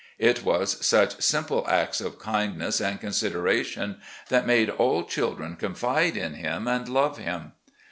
It was such simple acts of kindness and consideration that made all children confide in him and love him.